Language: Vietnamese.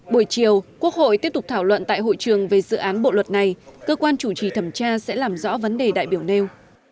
buổi chiều quốc hội tiếp tục thảo luận tại hội trường về dự án bộ luật này cơ quan chủ trì thẩm tra sẽ làm rõ vấn đề đại biểu nêu